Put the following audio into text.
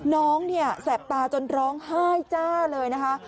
น้องเนี่ยแสบตาจนร้องไห้จ้าเลยนะคะ